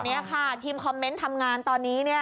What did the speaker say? นี่ค่ะทีมคอมเมนต์ทำงานตอนนี้เนี่ย